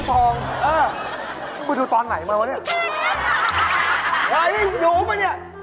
พับปิ่นข้าชื่อว่าพับปิ่น